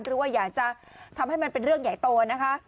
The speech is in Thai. หรือว่าอยากจะทำให้มันเป็นเรื่องใหญ่โตนะคะ